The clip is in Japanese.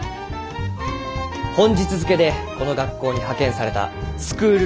本日付けでこの学校に派遣されたスクール